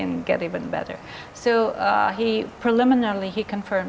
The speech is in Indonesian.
jadi dia mengatakan secara preliminari bahwa dia menerima